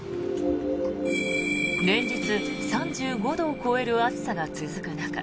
連日３５度を超える暑さが続く中